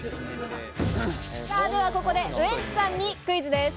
では、ここでウエンツさんにクイズです。